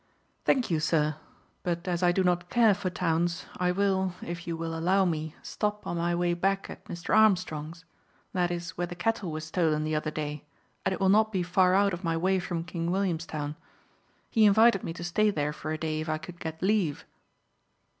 "Thank you, sir; but as I do not care for towns, I will, if you will allow me, stop on my way back at Mr. Armstrong's. That is where the cattle were stolen the other day, and it will not be far out of my way from King Williamstown. He invited me to stay there for a day if I could get leave."